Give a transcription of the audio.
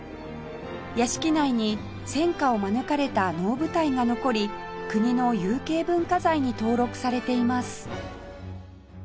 屋敷内に戦火を免れた能舞台が残り国の有形文化財に登録されています